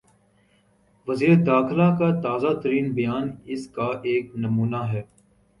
وزیر داخلہ کا تازہ ترین بیان اس کا ایک نمونہ ہے۔